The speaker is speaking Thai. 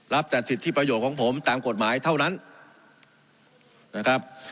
แต่สิทธิประโยชน์ของผมตามกฎหมายเท่านั้นนะครับ